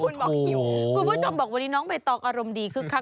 คุณผู้ชมบอกวันนี้น้องไม่ต้องอารมณ์ดีคึกคลัก